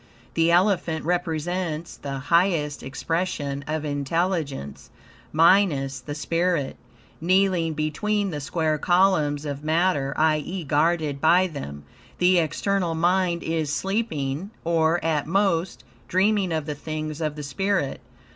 The elephant represents the highest expression of intelligence, minus the spirit; kneeling between the square columns of matter, i.e., guarded by them. The external mind is sleeping, or, at most, dreaming of the things of the spirit.